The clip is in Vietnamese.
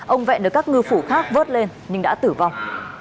ông vẹn được các ngư phủ khác vớt lên nhưng đã tử vong